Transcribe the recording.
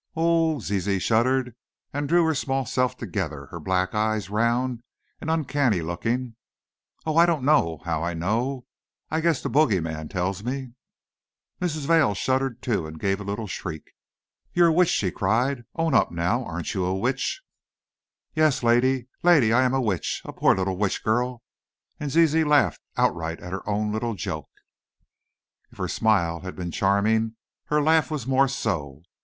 "Ooh!" Zizi shuddered, and drew her small self together, her black eyes round and uncanny looking; "ooh! I donno how I know! I guess the bogie man tells me!" Mrs. Vail shuddered too, and gave a little shriek. "You're a witch," she cried; "own up, now, aren't you a witch?" "Yes, lady, lady! I am a witch, a poor little witch girl!" and Zizi laughed outright at her own little joke. If her smile had been charming, her laugh was more so.